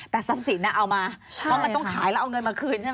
แต่ทรัพย์สินเอามาเพราะมันต้องขายแล้วเอาเงินมาคืนใช่ไหม